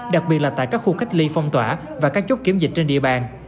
đặc biệt là tại các khu cách ly phong tỏa và các chốt kiểm dịch trên địa bàn